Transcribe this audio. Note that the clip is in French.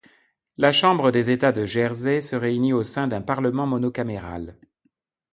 La chambre des États de Jersey se réunit au sein d'un parlement monocaméral.